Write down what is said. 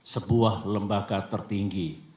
sebuah lembaga tertinggi